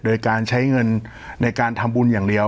โดยการใช้เงินในการทำบุญอย่างเดียว